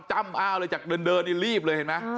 จำอ้าวเลยจากเดินรีบเลยเห็นมั้ย